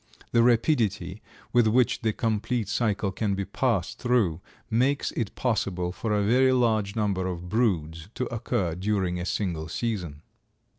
The rapidity with which the complete cycle may be passed through makes it possible for a very large number of broods to occur during a single season.